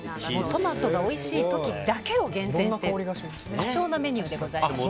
トマトがおいしい時だけを厳選している希少なメニューでございます。